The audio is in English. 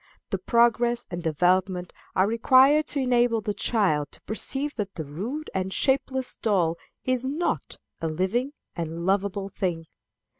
The progress and development are required to enable the child to perceive that the rude and shapeless doll is not a living and lovable thing.